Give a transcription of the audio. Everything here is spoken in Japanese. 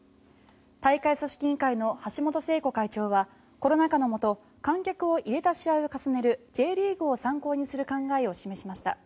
大会組織委員会の橋本聖子会長はコロナ禍のもと観客を入れた試合を重ねるＪリーグを参考にする考えを示しました。